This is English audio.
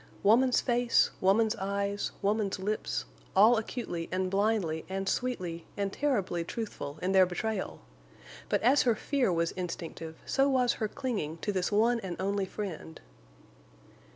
Woman's face, woman's eyes, woman's lips—all acutely and blindly and sweetly and terribly truthful in their betrayal! But as her fear was instinctive, so was her clinging to this one and only friend.